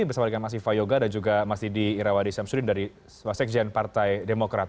bersama dengan mas iva yoga dan juga mas didi irawadi syamsuddin dari wasekjen partai demokrat